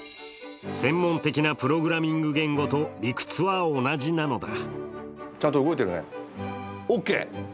専門的なプログラミング言語と理屈は同じなのだ。